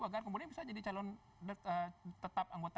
agar kemudian bisa jadi calon tetap anggota